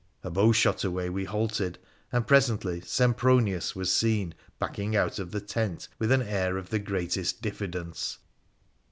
A bowshot away we halted, and presently Sempronius was seen backing out of the tent with an air of the greatest diffidence.